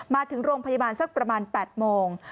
มาถึงโรงพยาบาลสักประมาณ๘โมง